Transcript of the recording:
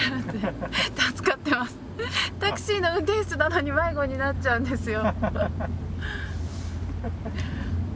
タクシーの運転手なのに迷子になっちゃうんですよ。